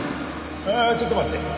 ああちょっと待って。